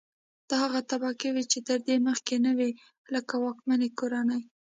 دا هغه طبقې وې چې تر دې مخکې نه وې لکه واکمنې کورنۍ.